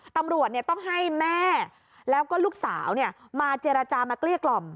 ตำรวจต้องให้แม่แล้วก็ลูกสาวมาเจรจามาเกลี้ยกล่อม